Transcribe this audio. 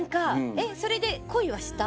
えっそれで恋はした？